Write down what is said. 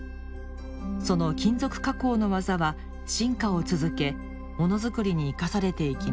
その金属加工の技は進化を続けものづくりに生かされていきます。